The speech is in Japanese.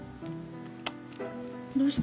どうした？